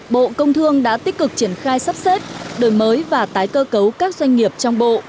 bộ công thương đã tích cực triển khai sắp xếp đổi mới và tái cơ cấu các doanh nghiệp trong bộ